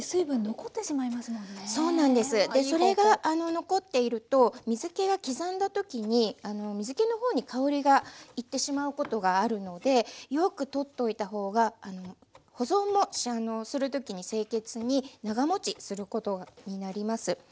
でそれが残っていると刻んだ時に水けの方に香りが行ってしまうことがあるのでよく取っといた方が保存もする時に清潔に長もちすることになります。